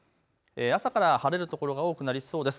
朝から晴れる所が多くなりそうです。